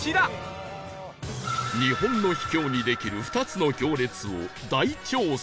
日本の秘境にできる２つの行列を大調査